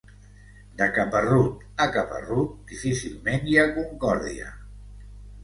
De caparrut a caparrut, difícilment hi ha concòrdia.